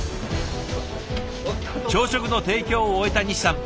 朝食の提供を終えた西さん。